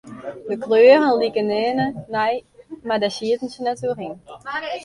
De kleuren liken nearne nei, mar dêr sieten se net oer yn.